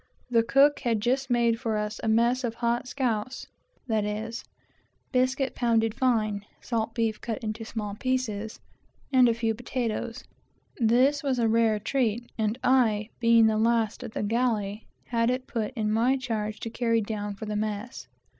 The cook had just made for us a mess of hot "scouse" that is, biscuit pounded fine, salt beef cut into small pieces, and a few potatoes, boiled up together and seasoned with pepper. This was a rare treat, and I, being the last at the galley, had it put in my charge to carry down for the mess.